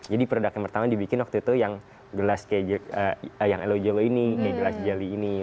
jadi produk yang pertama dibikin waktu itu yang gelas kayak yang elojolo ini gelas jelly ini